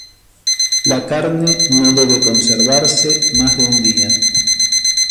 La carne no debe conservarse más de un día.